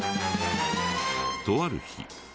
とある日。